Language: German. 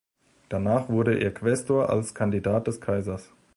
Danach wurde er Quaestor als Kandidat des Kaisers.